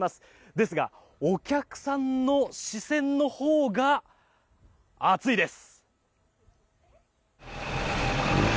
ですがお客さんの視線のほうが熱いです。